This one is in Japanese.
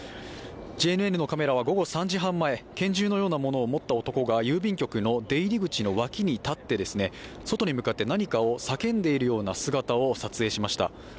ＪＮＮのカメラは午後３時半前拳銃のようなものを持った男が郵便局の出入り口の脇に立って外に向かって何かを叫んでいるような姿を撮影しました。